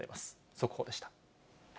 速報でした。